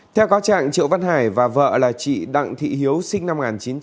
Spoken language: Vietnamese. theo cáo trạng triệu văn hải và vợ là chị đặng thị hiếu sinh năm một nghìn chín trăm tám mươi